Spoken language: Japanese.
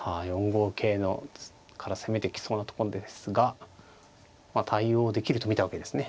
五桂から攻めてきそうなところですが対応できると見たわけですね。